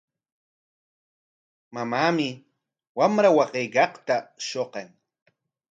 Mamanmi wamra waqaykaqta shuqan.